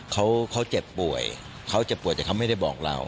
เพราะว่าเขาเจ็บป่วยแต่เขาไม่ได้บอกเรา